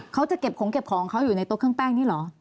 เขาจะเก็บของเก็บของเขาอยู่ในโต๊ะเครื่องแป้งนี่เหรอ